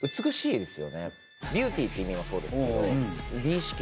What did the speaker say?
ビューティーって意味もそうですけど。